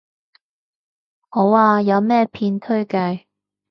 好啊，有咩片推介